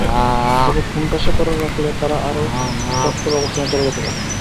তবে কোণঠাসা করে রাখলে তারা আরও কট্টর অবস্থানে চলে যেতে পারে।